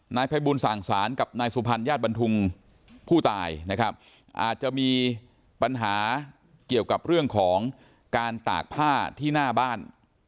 นายภัยบูลสั่งสารกับนายสุพรรณญาติบันทุงผู้ตายนะครับอาจจะมีปัญหาเกี่ยวกับเรื่องของการตากผ้าที่หน้าบ้าน